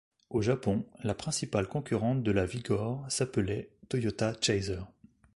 Au Japon, la principale concurrente de la Vigor s’appelait Toyota Chaser.